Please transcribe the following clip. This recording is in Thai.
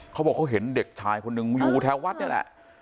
เขาบอกเขาเห็นเด็กชายคนหนึ่งอยู่แถววัดนี่แหละ